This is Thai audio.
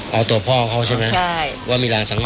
เอาตัวพ่อเขาใช่ไหมว่ามีรางสังห